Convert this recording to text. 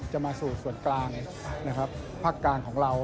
จะมาสู่ส่วนกลางพักกลางของเรา